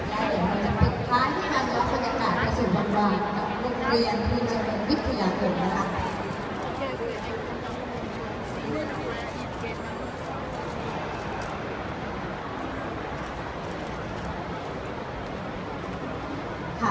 และเดี๋ยวเราจะปิดคล้ายที่มาแล้วสัญญาการมาสู่บางของโรงเรียนภูเจริญวิทยาลงนะคะ